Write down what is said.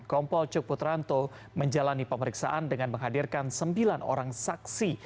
kompol cukputranto menjalani pemeriksaan dengan menghadirkan sembilan orang saksi